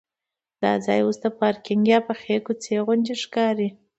دا ځای اوس د پارکینک یا پخې کوڅې غوندې ښکاري.